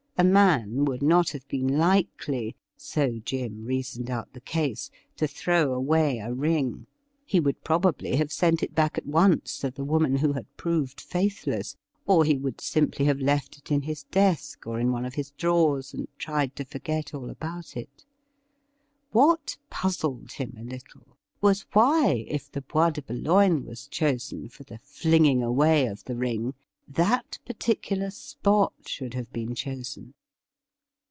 A man would not have been likely — so Jim reasoned out the case — to throw away a ring. He would probably have sent it back at once to the woman who had proved faithless, or he would simply have left it in his desk or in one of his drawers, and tried to forget all about it. What puzzled him a little was why, if the Bois de Boulogne was chosen for the flinging away of the ring, that particular spot should have been chosen.